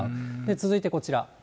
続いてこちら。